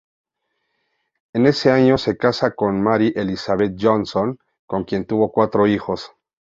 En ese año se casa con Mary Elizabeth Johnson, con quien tuvo cuatro hijos.